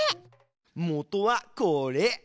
もとはこれ。